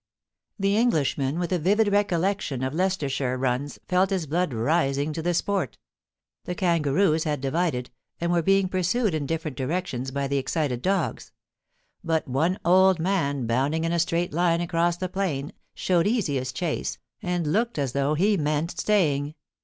The Englishman, with a vivid recollection of Leicester shire runs, felt his blood rising to the sport The kangaroos had divided, and were being pursued in different directions by the excited dogs; but one *old man,' bounding in a straight line across the plain, showed easiest chase, and looked as though he meant staying.